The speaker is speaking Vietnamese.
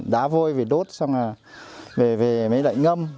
đá vôi về đốt xong là về mới lại ngâm